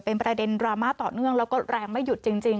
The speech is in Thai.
เป็นประเด็นดราม่าต่อเนื่องแล้วก็แรงไม่หยุดจริง